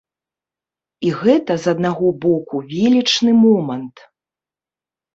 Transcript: І гэта, з аднаго боку, велічны момант.